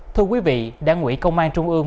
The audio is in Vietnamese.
thưa quý vị đảng ủy công an trung ương